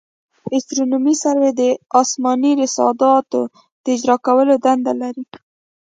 استرونومي سروې د اسماني رصاداتو د اجرا کولو دنده لري